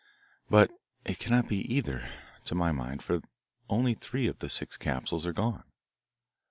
But it cannot be either, to my mind, for only three of the six capsules are gone.